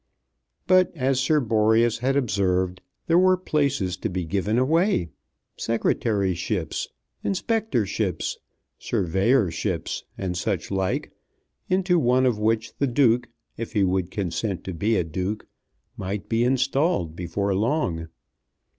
But, as Sir Boreas had observed, there were places to be given away, Secretaryships, Inspectorships, Surveyorships, and suchlike, into one of which the Duke, if he would consent to be a Duke, might be installed before long.